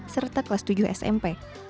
serta kelas tujuh smp